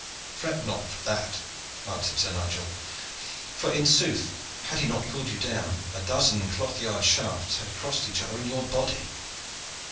"Fret not for that," answered Sir Nigel. "For, in sooth, had he not pulled you down, a dozen cloth yard shafts had crossed each other in your body."